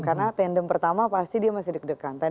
karena tandem pertama pasti dia masih deg degan